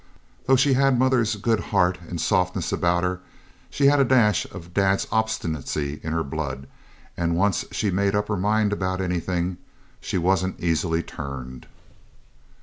Though she'd mother's good heart and softness about her, she'd a dash of dad's obstinacy in her blood, and once she made up her mind about anything she wasn't easy turned.